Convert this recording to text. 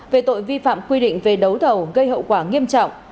về tội vi phạm quy định về đấu thầu gây hậu quả nghiêm trọng